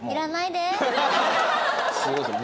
すごいですよ。